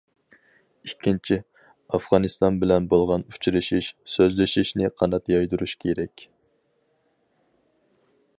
ئىككىنچى، ئافغانىستان بىلەن بولغان ئۇچرىشىش، سۆزلىشىشنى قانات يايدۇرۇش كېرەك.